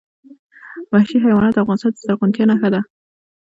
وحشي حیوانات د افغانستان د زرغونتیا نښه ده.